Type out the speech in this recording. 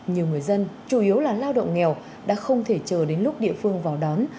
nhiều người dân chủ yếu là lao động nghèo đã không thể chờ đến lúc địa phương vào đón